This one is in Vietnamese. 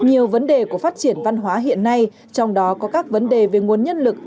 nhiều vấn đề của phát triển văn hóa hiện nay trong đó có các vấn đề về nguồn nhân lực